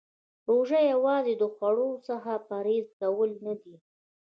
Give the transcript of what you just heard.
روژه یوازې د خوړو څخه پرهیز کول نه دی .